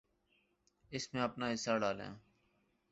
اس میں اپنا حصہ ڈالیں۔